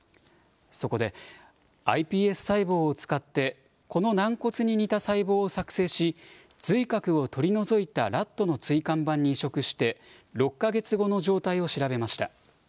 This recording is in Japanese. そこで、ｉＰＳ細胞を使ってこの軟骨に似た細胞を作製し髄核を取り除いたラットの椎間板に移植して６か月後の状態を調べました。